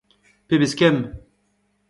Pebezh kemm !